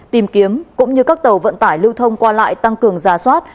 tìm kiếm cũng như các tàu vận tải lưu thông qua lại tăng cường giả soát